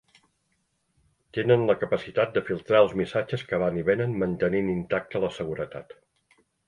Tenen la capacitat de filtrar els missatges que van i venen mantenint intacta la seguretat.